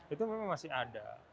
itu memang masih ada